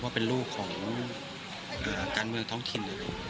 เป็นลูกของการเมืองท้องถิ่น